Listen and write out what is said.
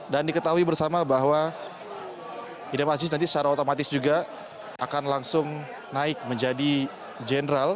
dan diketahui bersama bahwa idam aziz nanti secara otomatis juga akan langsung naik menjadi jenderal